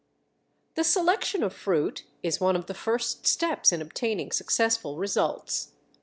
The selection of fruit is one of the first steps in obtaining successful results.